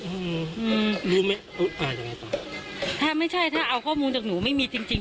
อืมรู้ไหมอ่ายังไงต่อถ้าไม่ใช่ถ้าเอาข้อมูลจากหนูไม่มีจริงจริง